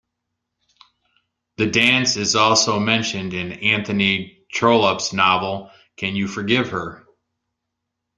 The dance is also mentioned in Anthony Trollope's novel Can You Forgive Her?